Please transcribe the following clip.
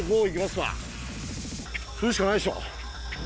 それしかないでしょ。